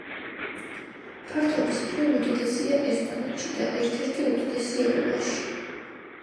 ფართობის მხრივ უდიდესია ესტონეთში და ერთ-ერთი უდიდესი ევროპაში.